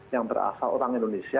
yang berasal orang indonesia